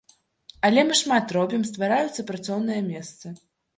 Але мы шмат робім, ствараюцца працоўныя месцы.